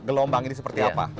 gelombang ini seperti apa